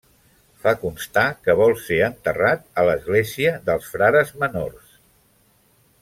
Fa constar que vol ser enterrat a l'església dels Frares Menors.